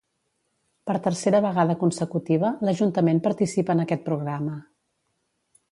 Per tercera vegada consecutiva, l'Ajuntament participa en aquest programa.